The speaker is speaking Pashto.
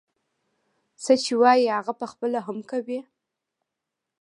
څه چې وايي هغه پخپله هم کوي.